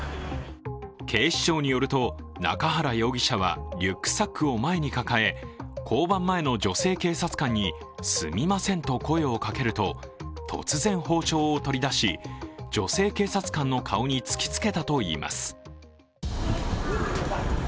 警視庁によると、中原容疑者はリュックサックを前に抱え交番前の女性警察官にすみませんと声をかけると、突然包丁を取り出し、女性警察官の顔に突きつけたといいます。